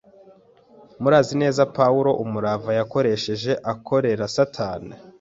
murazi neza Pawuro umurava yakoresheje akorera Satani